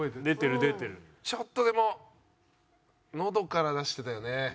ちょっとでものどから出してたよね。